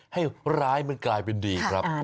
ให้ร้ายมันกลายเป็นดีครับ